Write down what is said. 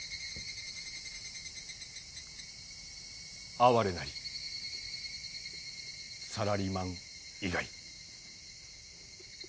哀れなりサラリーマン以外。